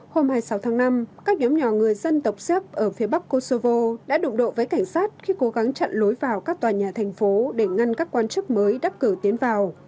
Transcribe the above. hôm hai mươi sáu tháng năm các nhóm nhỏ người dân tộc xếp ở phía bắc kosovo đã đụng độ với cảnh sát khi cố gắng chặn lối vào các tòa nhà thành phố để ngăn các quan chức mới đắc cử tiến vào